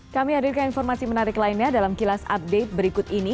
kami hadirkan informasi menarik lainnya dalam kilas update berikut ini